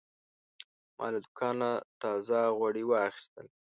ما له دوکانه تازه غوړي واخیستل.